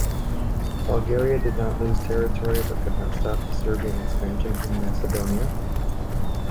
Bulgaria did not lose territory but could not stop the Serbian expansion in Macedonia.